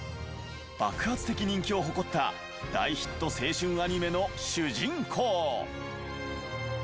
爆発的人気を誇った大ヒット青春アニメの主人公！